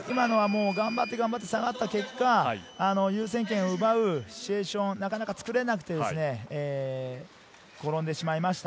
頑張って頑張って下がった結果、優先権を奪うシチュエーションをなかなか作れなくて、転んでしまいました。